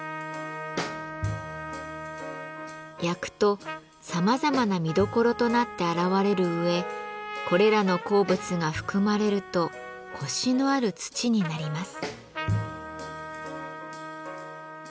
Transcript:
焼くとさまざまな見どころとなって現れるうえこれらの鉱物が含まれるとコシのある土になります。